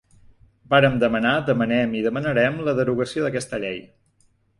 Vàrem demanar, demanem i demanarem la derogació d’aquesta llei.